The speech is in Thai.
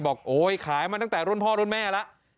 โอ๊ยขายมาตั้งแต่รุ่นพ่อรุ่นแม่แล้ว